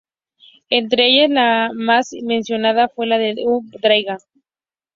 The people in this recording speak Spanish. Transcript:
Entre ellas, la más mencionada fue la de Um-Draiga.